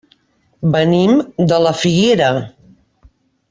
Venim de la Figuera.